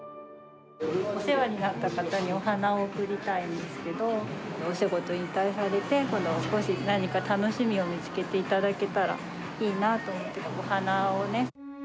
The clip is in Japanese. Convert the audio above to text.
お世話になった方にお花を贈りたいんですけど、お仕事を引退されて、今度、少し、何か楽しみを見つけていただけたらいいなと思って、お花をね。